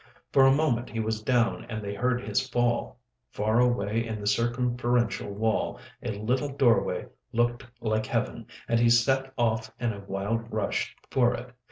For a moment he was down and they heard his fall. Far away in the circumferential wall a little doorway looked like Heaven, and he set off in a wild rush for it.